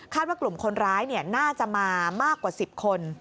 ว่ากลุ่มคนร้ายน่าจะมามากกว่า๑๐คน